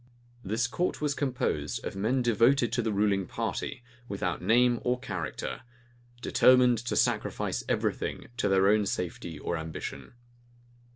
This court was composed of men devoted to the ruling party, without name or character, determined to sacrifice every thing to their own safety or ambition.